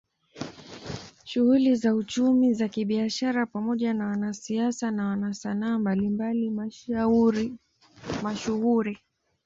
Shughuli za uchumi na kibiashara pamoja na wanasiasa na wanasanaa mbalimbali mashuhuri